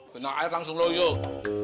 kena air langsung loyuk